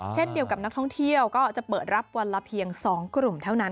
เช่นเดียวกับนักท่องเที่ยวก็จะเปิดรับวันละเพียง๒กลุ่มเท่านั้น